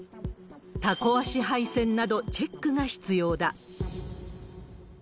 タコ足配線など、チェックが必要だ。